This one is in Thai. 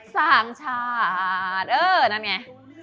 สามชาติเออนั่นไง